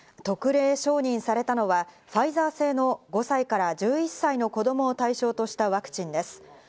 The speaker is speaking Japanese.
特例承認されたのはファイザー製の５歳から１１歳の子供を対象としたワクチンです。